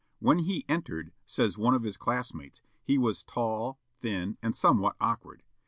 "When he entered," says one of his class mates, "he was tall, thin, and somewhat awkward.